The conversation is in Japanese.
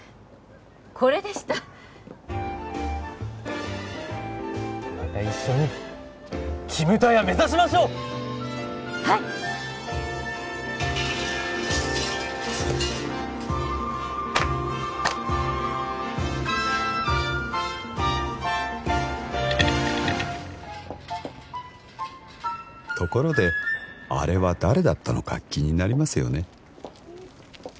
これでしたまた一緒にキムタヤ目指しましょうはいところであれは誰だったのか気になりますよね？